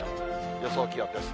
予想気温です。